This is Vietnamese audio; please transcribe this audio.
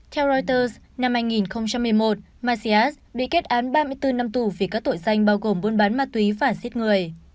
theo reuters năm hai nghìn một mươi một macias bị kết án ba mươi bốn năm tù vì các tội danh bao gồm buôn bán má túy phản xích người